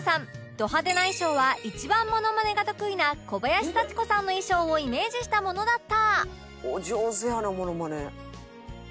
ド派手な衣装は一番モノマネが得意な小林幸子さんの衣装をイメージしたものだった